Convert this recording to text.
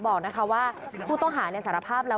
บอกนะคะว่าผู้ต้องหาและสารภาพเขา